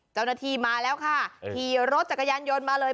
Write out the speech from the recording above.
เจ้าหน้าที่มาแล้วค่ะขี่รถจักรยานยนต์มาเลย